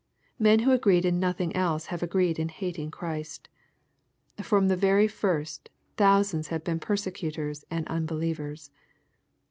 Men who agreed in nothing else have agreed in hating Christ. From the very first, thousands have been persecutors and unbelievers.